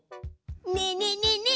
ねえねえねえねえ！